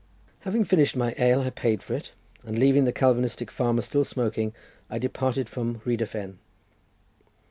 Having finished my ale, I paid for it, and leaving the Calvinistic farmer still smoking, I departed from Rhyd y fen.